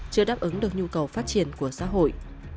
chưa đáp ứng được nhu cầu phát triển của xã hội